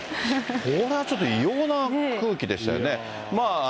これはちょっと異様な空気でしたよね。